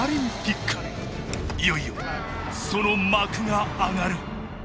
いよいよその幕が上がる！